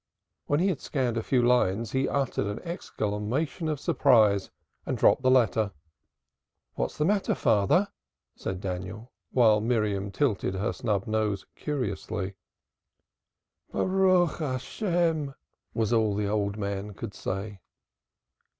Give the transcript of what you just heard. When he had scanned a few lines he uttered an exclamation of surprise and dropped the letter. "What's the matter, father?" said Daniel, while Miriam tilted her snub nose curiously. "Praised be God!" was all the old man could say.